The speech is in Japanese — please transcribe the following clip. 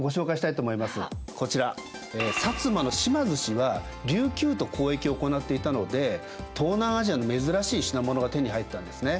こちら摩の島津氏は琉球と交易を行っていたので東南アジアの珍しい品物が手に入ったんですね。